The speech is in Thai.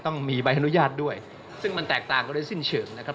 ต้องมีใบอนุญาตด้วยซึ่งมันแตกต่างกันได้สิ้นเชิงนะครับ